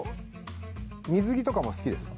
水着とかも好きです。